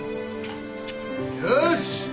よし。